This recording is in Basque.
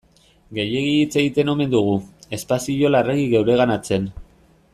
Gehiegi hitz egiten omen dugu, espazio larregi geureganatzen.